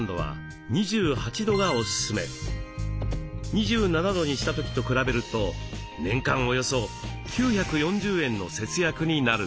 ２７度にした時と比べると年間およそ９４０円の節約になるんです。